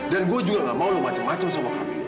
dan gue juga gak mau lu macem macem sama kamila